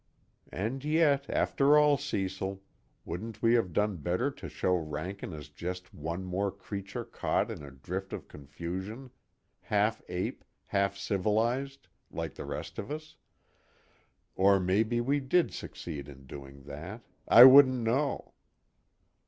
_And yet after all, Cecil, wouldn't we have done better to show Rankin as just one more creature caught in a drift of confusion, half ape, half civilized, like the rest of us? or maybe we did succeed in doing that I wouldn't know.